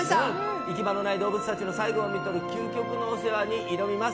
行き場のない動物たちの最期をみとる、究極のお世話に挑みます。